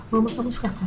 mama kamu suka kelapa